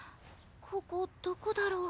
ここどこだろう？